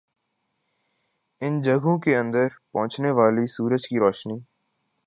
ان جگہوں کے اندر پہنچنے والی سورج کی روشنی